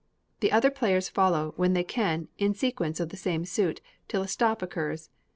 The other players follow, when they can, in sequence of the same suit, till a stop occurs.